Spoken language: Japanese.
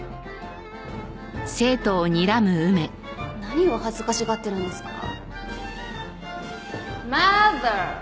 何を恥ずかしがっているんですか？